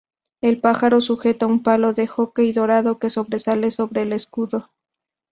El pájaro sujeta un palo de hockey dorado, que sobresale sobre el escudo.